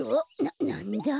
ななんだ？